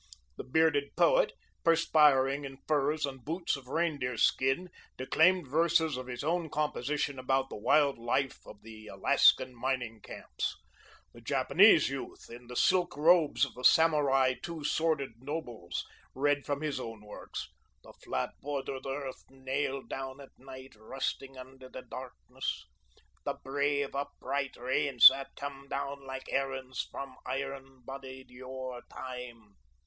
The bearded poet, perspiring in furs and boots of reindeer skin, declaimed verses of his own composition about the wild life of the Alaskan mining camps. The Japanese youth, in the silk robes of the Samurai two sworded nobles, read from his own works "The flat bordered earth, nailed down at night, rusting under the darkness," "The brave, upright rains that came down like errands from iron bodied yore time."